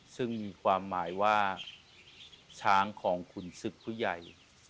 ซึ่งมีความหมายว่าช้างของขุนศึกผู้ใหญ่